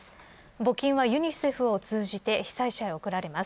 募金はユニセフを通じて被災者に送られます。